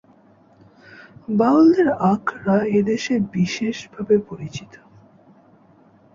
বাউলদের আখড়া এদেশে বিশেষভাবে পরিচিত।